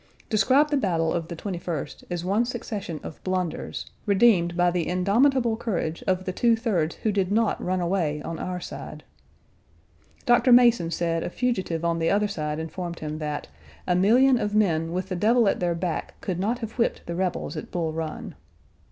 described the battle of the 21st as one succession of blunders, redeemed by the indomitable courage of the two thirds who did not run away on our side. Doctor Mason said a fugitive on the other side informed him that "a million of men with the devil at their back could not have whipped the rebels at Bull Run."